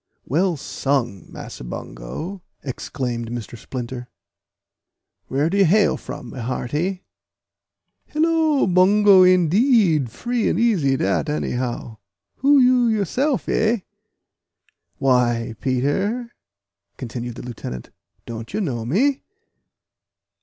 "Well sung, Massa Bungo!" exclaimed Mr. Splinter; "where do you hail from, my hearty?" "Hillo! Bungo, indeed! free and easy dat, anyhow. Who you yousef, eh?" "Why, Peter," continued the lieutenant, "don't you know me?"